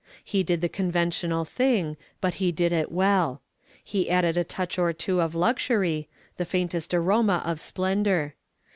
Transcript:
He did the conventional thing, but he did it well. He added a touch or two of luxury, the faintest aroma of splendor.